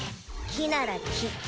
木なら木。